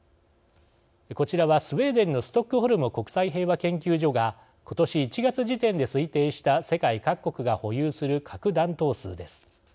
こちらは、スウェーデンのストックホルム国際平和研究所がことし１月時点で推定した世界各国が保有する核弾頭数です。